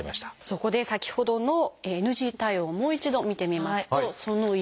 そこで先ほどのＮＧ対応をもう一度見てみますとその１です。